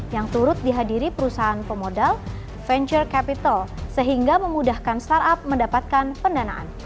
yang turut dihadiri perusahaan pemodal venture capital sehingga memudahkan startup mendapatkan pendanaan